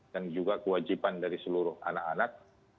dan juga kewajiban dari seluruh anak anak